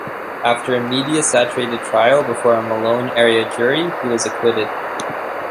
After a media-saturated trial before a Malone-area jury, he was acquitted.